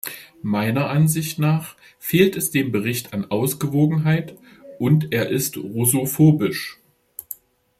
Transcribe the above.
Meiner Ansicht nach fehlt es dem Bericht an Ausgewogenheit und er ist russophobisch.